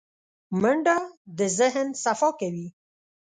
منډه د ذهن صفا کوي